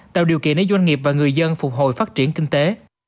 tạo điều kiện để doanh nghiệp và người dân phục hồi phát triển kinh tế